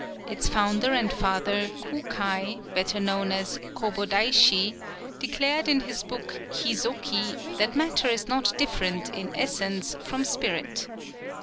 Its founder and father Kū kai, better known as Kōbōdaishi, declared in his book Hizōki that matter is not different in essence from spirit.